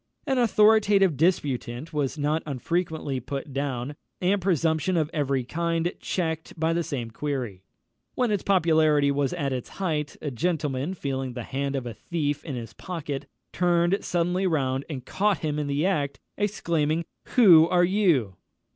An authoritative disputant was not unfrequently put down, and presumption of every kind checked by the same query. When its popularity was at its height, a gentleman, feeling the hand of a thief in his pocket, turned suddenly round and caught him in the act, exclaiming, "_Who are you?